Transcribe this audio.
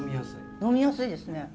呑みやすいですね。